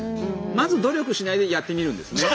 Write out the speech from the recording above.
まず努力しないでやってみるんですね。